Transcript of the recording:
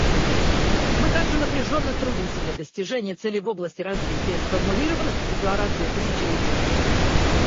Мы также напряженно трудимся для достижения целей в области развития, сформулированных в Декларации тысячелетия.